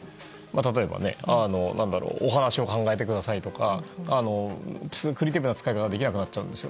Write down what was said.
例えばお話を考えてくださいとかクリエイティブな使い方ができなくなるんです。